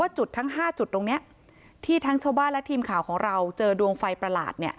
จุดทั้ง๕จุดตรงนี้ที่ทั้งชาวบ้านและทีมข่าวของเราเจอดวงไฟประหลาด